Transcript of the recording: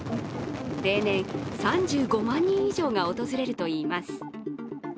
例年、３５万人以上が訪れるといいます。